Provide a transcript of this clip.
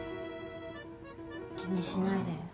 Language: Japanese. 気にしないで。